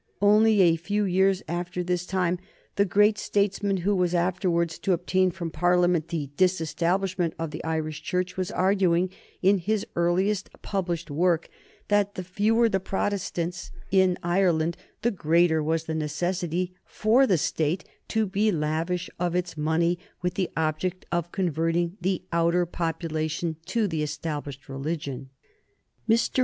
Only a few years after this time the great statesman who was afterwards to obtain from Parliament the disestablishment of the Irish Church was arguing, in his earliest published work, that the fewer the Protestants in Ireland the greater was the necessity for the State to be lavish of its money with the object of converting the outer population of Ireland to the established religion. Mr.